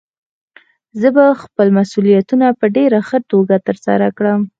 زه به خپل مسؤليتونه په ډېره ښه توګه ترسره کړم.